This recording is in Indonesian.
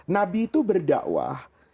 nabi itu berdakwah